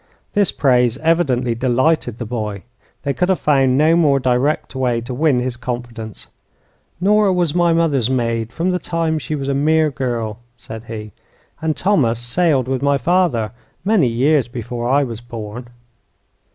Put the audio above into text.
This praise evidently delighted the boy. They could have found no more direct way to win his confidence. "Nora was my mother's maid from the time she was a mere girl," said he; "and Thomas sailed with my father many years before I was born."